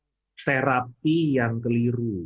bisa dibilang terapi yang keliru